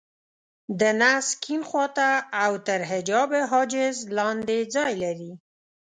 د نس کيڼ خوا ته او تر حجاب حاجز لاندې ځای لري.